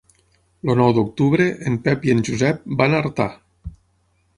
El nou d'octubre en Pep i en Josep van a Artà.